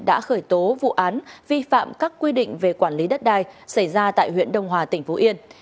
đã khởi tố vụ án vi phạm các quy định về quản lý đất đai xảy ra tại huyện đông hòa tỉnh phú yên